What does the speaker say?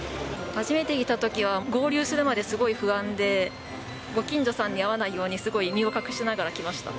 初めて着たときは、合流するまですごい不安で、ご近所さんに会わないように、すごい身を隠しながら来ました。